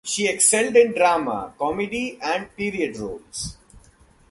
She excelled in drama, comedy, and period roles.